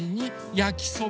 やきそば？